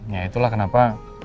ya itulah kenapa